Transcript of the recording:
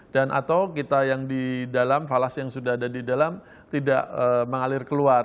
dan atau kita yang di dalam falas yang sudah ada di dalam tidak mengalir keluar